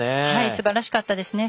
すばらしかったですね。